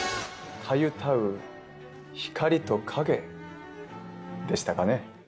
たゆたう光と影でしたかね。